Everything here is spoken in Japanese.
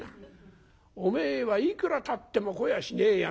おめえはいくらたっても来やしねえや。